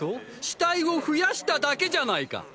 死体を増やしただけじゃないかっ！